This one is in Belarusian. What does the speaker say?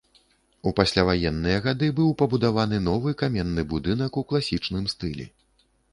У пасляваенныя гады быў пабудаваны новы каменны будынак у класічным стылі.